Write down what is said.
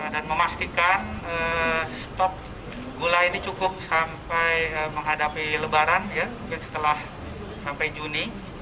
dan memastikan stop gula ini cukup sampai menghadapi lebaran mungkin setelah sampai juni